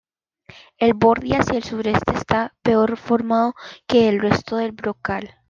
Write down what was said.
El borde hacia el sureste está peor formado que en el resto del brocal.